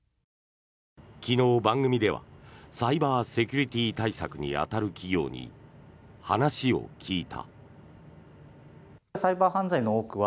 昨日、番組ではサイバーセキュリティー対策に当たる企業に話を聞いた。